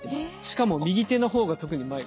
しかも右手の方が特に前。